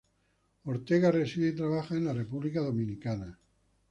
Ortega reside y trabaja en la República Dominicana.